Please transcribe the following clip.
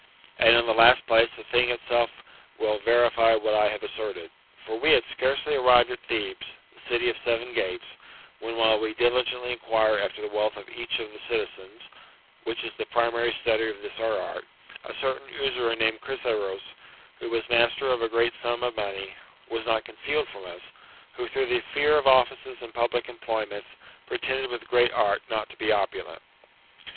And in the last place, the thing itself will verify what I have as serted. For we had scarcely arrived at Thebes, the city of seven gates, when, while we diligently inquire after the wealth of each of the citiaens, (which is the primary study of this our art,) a certain usurer named Chryseros, who was master of a great sum of money, was not concealed from as, who, through the fear of offices and public employments, pretended with great art not to be opulent.